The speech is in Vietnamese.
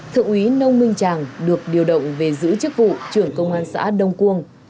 thượng úy nông minh tràng được điều động về giữ chức vụ trưởng công an xã đông quương